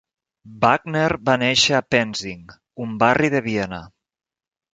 Wagner va néixer a Penzing, un barri de Viena.